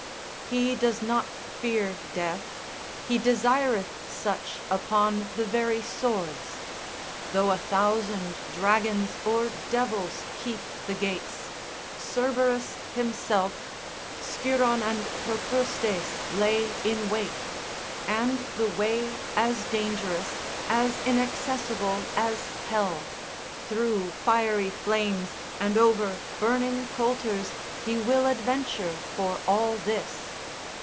He does not fear death, he desireth such upon the very swords. Though a thousand dragons or devils keep the gates, Cerberus himself, Scyron and Procrastes lay in wait, and the way as dangerous, as inaccessible as hell, through fiery flames and over burning coulters, he will adventure for all this.